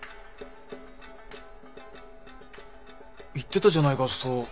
言ってたじゃないかそう。